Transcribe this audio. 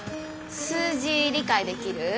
数字理解できる？